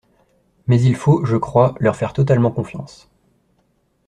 Mais il faut, je crois, leur faire totalement confiance.